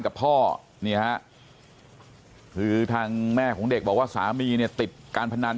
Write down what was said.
กับพ่อนี่ฮะคือทางแม่ของเด็กบอกว่าสามีเนี่ยติดการพนัน